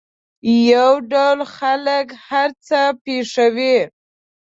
یو ډول خلک هر څه پېښوي.